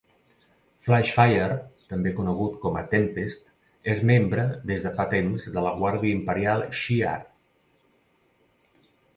Flashfire, també conegut com a Tempest, és membre des de fa temps de la Guàrdia Imperial Shi'ar.